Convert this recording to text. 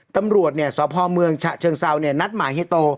ตำรวจเนี่ยสพเมืองฉะเชิงเซาเนี่ยนัดหมายเฮียโต